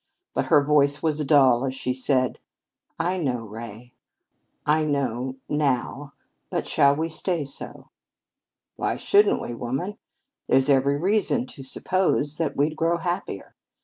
But her voice was dull as she said: "I know, Ray. I know now but shall we stay so?" "Why shouldn't we, woman? There's every reason to suppose that we'd grow happier.